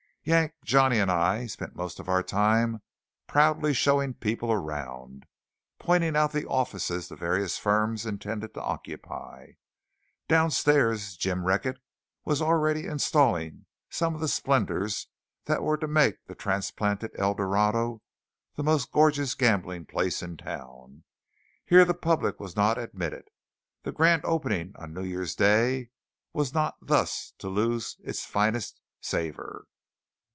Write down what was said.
Yank, Johnny, and I spent most of our time proudly showing people around, pointing out the offices the various firms intended to occupy. Downstairs Jim Reckett was already installing some of the splendours that were to make the transplanted El Dorado the most gorgeous gambling place in town. Here the public was not admitted. The grand opening, on New Year's day, was not thus to lose its finest savour.